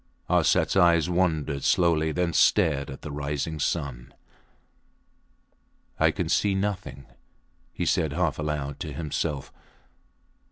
Arsats eyes wandered slowly, then stared at the rising sun. I can see nothing, he said half aloud to himself.